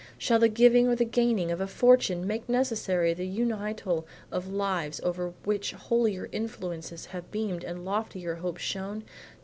Shall the giving or the gaining of a fortune make necessary the unital of lives over which holier influences have beamed and loftier hopes shone?